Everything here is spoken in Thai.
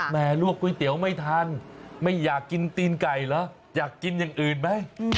ลวกก๋วยเตี๋ยวไม่ทันไม่อยากกินตีนไก่เหรออยากกินอย่างอื่นไหม